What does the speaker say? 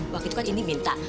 waktu itu kan ini minta